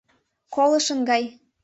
Колышын гай.